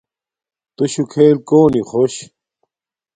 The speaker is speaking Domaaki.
تُشُݸ کھݵل کݸنݵ خݸش؟